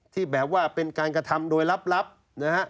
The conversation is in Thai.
ที่แบบว่าเป็นการกระทำโดยลับนะฮะ